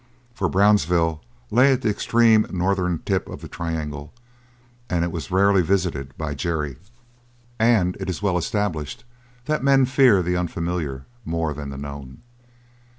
For Brownsville lay at the extreme northern tip of the triangle and it was rarely visited by Jerry; and it is well established that men fear the unfamiliar more than the known.